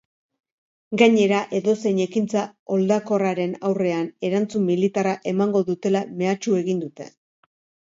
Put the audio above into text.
Gainera, edozein ekintza oldarkorraren aurrean erantzun militarra emango dutela mehatxu egin dute.